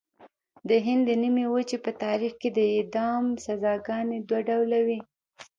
د هند د نیمې وچې په تاریخ کې د اعدام سزاګانې دوه ډوله وې.